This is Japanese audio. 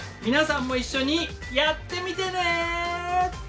皆さんも一緒にやってみてね。